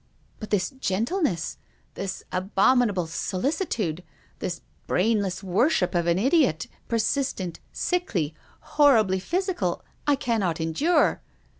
But this gentleness, this abominable solicitude, this brain less worship of an idiot, persistent, sickly, hor ribly physical, I cannot endure.